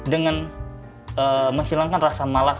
dengan menghilangkan rasa malas